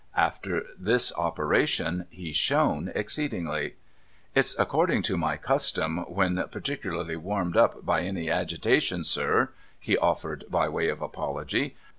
After this operation he shone exceedingly. ' It's according to my custom when particular warmed up by any agitation, sir,' he offered by way of apology.